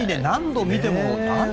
何度見ても。